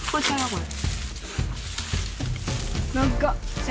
これ。